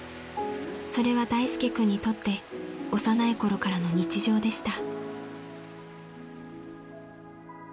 ［それは大介君にとって幼いころからの日常でした］